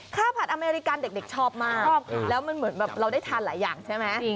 ผัดอเมริกันเด็กชอบมากชอบแล้วมันเหมือนแบบเราได้ทานหลายอย่างใช่ไหม